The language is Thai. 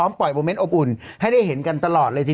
สีวิต้ากับคุณกรนิดหนึ่งดีกว่านะครับแฟนแห่เชียร์หลังเห็นภาพ